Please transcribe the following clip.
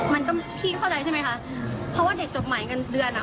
มันก็พี่เข้าใจใช่ไหมคะเพราะว่าเด็กจดหมายเงินเดือนอ่ะ